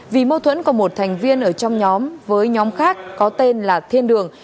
vì mâu thuẫn của một thành viên ở trong nhóm với nhóm khác có tên là thiên đường